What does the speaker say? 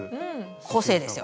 個性ですよ。